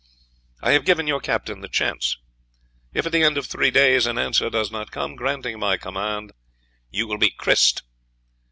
I have given your captain the chance. If, at the end of three days, an answer does not come granting my command, you will be krised.